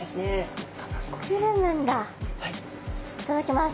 いただきます。